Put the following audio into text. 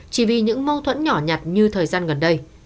chỉ vì những mâu thuẫn nhỏ nhặt như thời gian gần đây